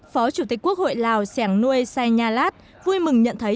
phó chủ tịch quốc hội lào sẻng nuôi sai nha lát vui mừng nhận thấy